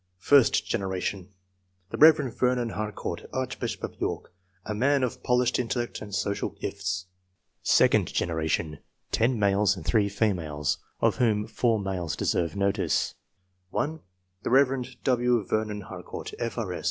First generation. — ^The Rev. Vernon Har court, archbishop of York ; a man of polished intellect and social gifts. Second generation. — 10 males and 3 females, of whom 4 males deserve notice :— (l) The Rev. W. Vernon Harcourt, F.R.